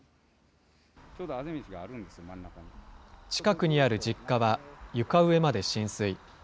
近くにある実家は、床上まで浸水。